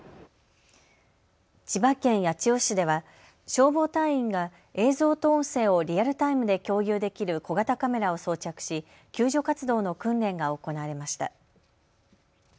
千葉県八千代市では消防隊員が映像と音声をリアルタイムで共有できる小型カメラを装着し救助活動の訓練が行われました。